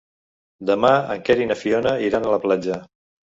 Demà en Quer i na Fiona iran a la platja.